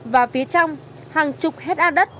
và phía trong hàng chục hectare đất